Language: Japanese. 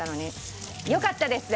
よかったです！